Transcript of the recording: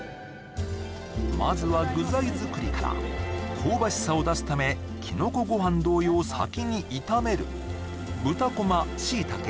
まずは具材作りから香ばしさを出すためキノコご飯同様先に炒める豚こまシイタケ